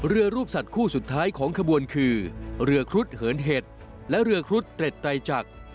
เรือรูปสัตว์คู่สุดท้ายของขบวนคือเรือครุฑเหินเห็ดและเรือครุฑเตร็ดไตรจักร